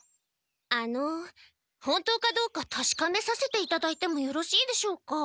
あの本当かどうかたしかめさせていただいてもよろしいでしょうか？